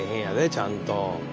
ちゃんと。